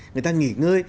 người ta nghỉ ngơi